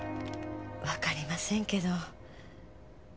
わかりませんけど。